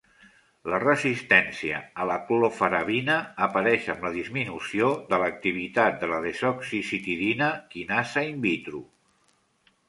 La resistència a la clofarabina apareix amb la disminució de l'activitat de la desoxicitidina quinasa in vitro.